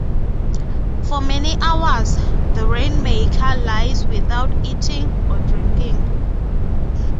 For many hours, the rainmaker lies without eating or drinking.